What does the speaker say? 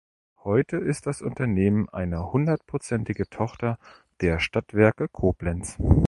Heute ist das Unternehmen eine hundertprozentige Tochter der Stadtwerke Koblenz.